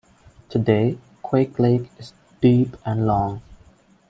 Today, Quake Lake is deep and long.